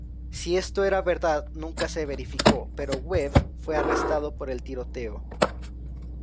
Si esto era verdad nunca se verificó, pero Webb fue arrestado por el tiroteo.